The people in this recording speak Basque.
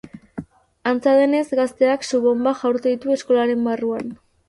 Antza denez, gazteak su-bonbak jaurti ditu eskolaren barruan.